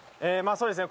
そうですね